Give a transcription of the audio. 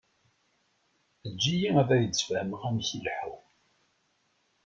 Eǧǧ-iyi ad ak-d-sfehmeɣ amek i ileḥḥu.